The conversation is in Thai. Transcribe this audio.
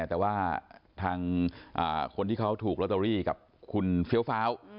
แต่ว่าทางคนที่เขาถูกลอตเตอรี่กับคุณเฟี้ยวฟ้าว